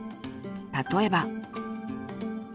例えば。